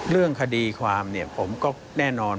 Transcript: เรื่องคดีความผมก็แน่นอน